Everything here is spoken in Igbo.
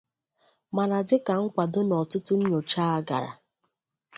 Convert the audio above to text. Mana dịka nkwado na ọtụtụ nyochaa gara